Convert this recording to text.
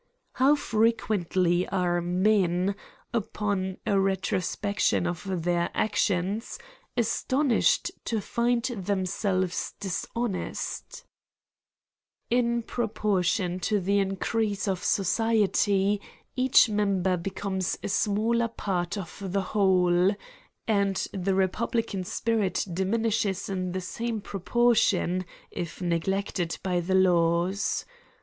How frequently are men, upon a retrospection of their actions, astonished to find themselves dishonest ? In proportion to the increase of society each member becomes a smaller part of the whole ; $2 AN ESSAY ON and the republican spirit diminishes in th^ sam^ proportion, if neglected by the laws.